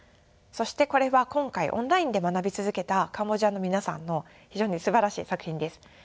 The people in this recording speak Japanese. そしてこれは今回オンラインで学び続けたカンボジアの皆さんの非常にすばらしい作品です。